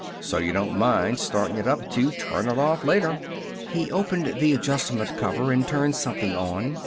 So you don't mind starting it up to turn it off later." He opened the adjustment cover and turned something on.